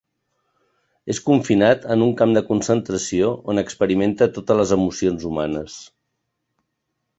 És confinat en un camp de concentració on experimenta totes les emocions humanes.